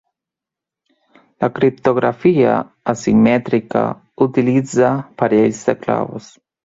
La criptografia asimètrica utilitza parells de claus.